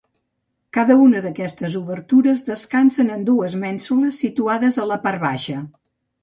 Cada una d'aquestes obertures descansen en dues mènsules situades a la part baixa.